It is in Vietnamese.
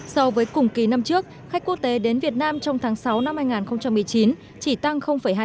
so với cùng kỳ năm trước khách quốc tế đến việt nam trong tháng sáu năm hai nghìn một mươi chín chỉ tăng hai